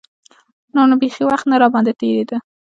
نور نو بيخي وخت نه راباندې تېرېده.